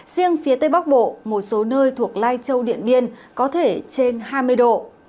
riêng phía tây bắc bộ một số nơi thuộc lai châu điện biên có thể trên hai mươi độ